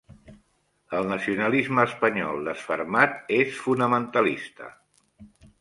El nacionalisme espanyol desfermat és fonamentalista.